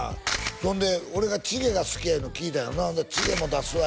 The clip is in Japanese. そんで俺がチゲが好きやいうの聞いたんやろうな「チゲも出すわ」